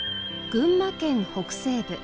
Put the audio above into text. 群馬県北西部。